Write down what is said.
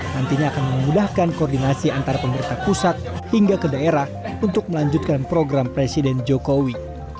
nantinya akan memudahkan koordinasi antara pemerintah pusat hingga ke daerah untuk melanjutkan program presiden jokowi